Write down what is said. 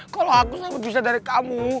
kalo aku sama pisah dari kamu